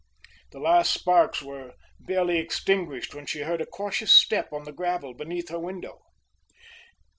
The last sparks were barely extinguished when she heard a cautious step on the gravel beneath her window.